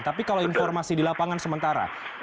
tapi kalau informasi di lapangan sementara